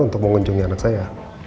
untuk mengunjungi anak saya